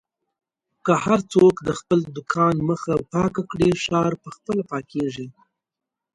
که هر څوک د خپل دوکان مخه پاکه کړي، ښار په خپله پاکېږي.